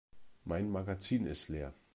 Mein Magazin ist leer.